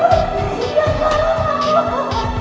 aku tidak mau